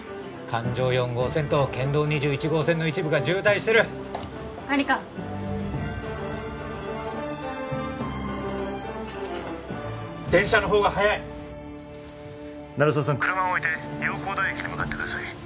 環状４号線と県道２１号線の一部が渋滞してる管理官電車のほうが早い鳴沢さん車を置いて洋光台駅に向かってください